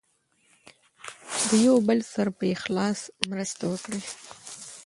د یو بل سره په اخلاص مرسته وکړئ.